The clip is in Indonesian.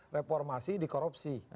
reformasi di korupsi